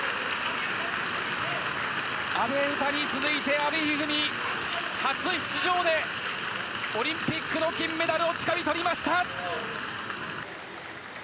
阿部詩に続いて、阿部一二三、初出場で、オリンピックの金メダルをつかみ取りました。